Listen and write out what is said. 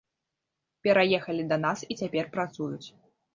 Пераехалі да нас і цяпер працуюць.